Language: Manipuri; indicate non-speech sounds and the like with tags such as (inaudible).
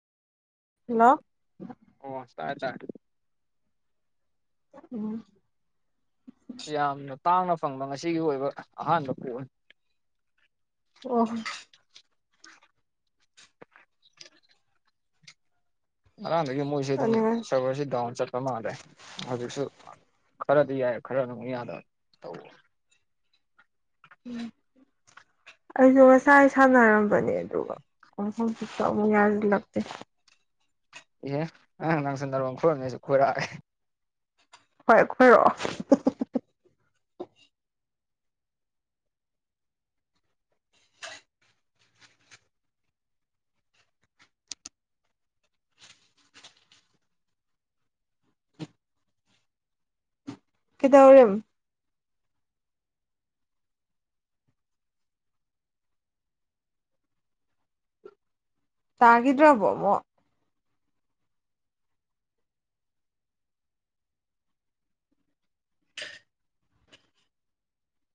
ꯍꯜꯂꯣ ꯑꯣꯁꯥꯏ ꯇꯥꯏ ꯎꯝ ꯌꯥꯝꯅ ꯇꯥꯡꯅ ꯐꯪꯕ ꯉꯁꯤꯒꯤ ꯑꯣꯏꯕ ꯑꯍꯥꯟꯕ ꯄꯣꯛꯅꯤ ꯑꯣ ꯍꯣ ꯉꯔꯥꯡꯗꯒꯤ ꯃꯣꯏꯁꯦ ꯑꯗꯨꯝ ꯑꯩꯁꯨ ꯁꯚꯔꯁꯤꯦ ꯗꯥꯎꯟ ꯆꯠꯄ ꯃꯥꯜꯂꯦ ꯍꯧꯖꯤꯛꯁꯨ ꯈꯔꯗꯤ ꯌꯥꯏ ꯈꯔ ꯑꯗꯨꯝꯛ ꯌꯥꯗꯕ ꯇꯧꯋ ꯎ ꯑꯩꯁꯨ ꯉꯁꯥꯏ ꯁꯥꯟꯅꯔꯝꯕꯅꯦ ꯌꯥꯔ ꯂ ꯑꯦꯍꯪ ꯅꯪꯁꯨ ꯅꯔꯣꯟ ꯈꯣꯏꯔꯝꯃꯦꯁꯨ ꯈꯣꯏꯔꯛꯑꯒꯦ ꯍꯣꯏ ꯈꯣꯏꯔꯛꯑꯣ ꯀꯈꯤꯗꯧꯔꯝ ꯆꯥꯈꯤꯗ꯭ꯔꯕꯣ ꯑꯃꯛ (unintelligible)